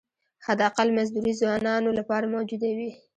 حداقل مزدوري ځوانانو لپاره موجوده وي.